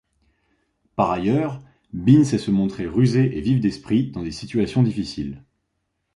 Par ailleurs, Bean sait se montrer rusée et vive d'esprit dans des situations difficiles.